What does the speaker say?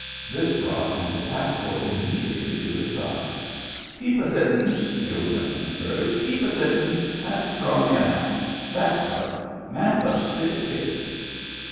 This brought Uncle Pasco im mediately to his side. "Keep a sittinV the old gentleman urged. " Keep a sittin', and draw me a map. That's what. Map of Spit Kitten."